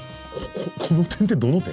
この点ってどの点？